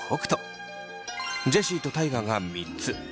ジェシーと大我が３つ。